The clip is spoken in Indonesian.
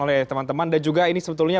oleh teman teman dan juga ini sebetulnya